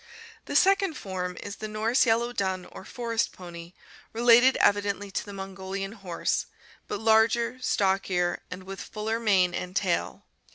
The second form is the Norse yellow dun or forest pony, related evidently to the Mongolian horse, but larger, stockier, and with fuller mane and tail.